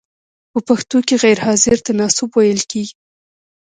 په پښتو کې غیر حاضر ته ناسوب ویل کیږی.